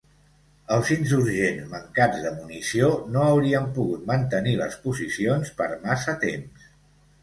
Els insurgents, mancats de munició, no haurien pogut mantenir les posicions per massa temps.